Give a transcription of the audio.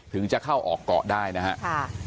ถึงจะเข้าออกเกาะได้นะครับ